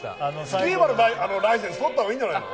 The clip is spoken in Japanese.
スキューバのライセンス取った方がいいんじゃないの？